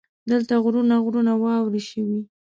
دلته غرونه غرونه واورې شوي.